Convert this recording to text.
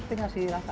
ini ngasih rasa